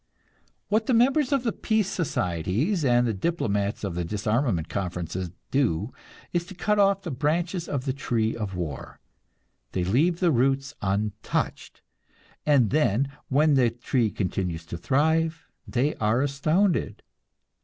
What the members of the peace societies and the diplomats of the disarmament conferences do is to cut off the branches of the tree of war. They leave the roots untouched, and then, when the tree continues to thrive, they are astounded.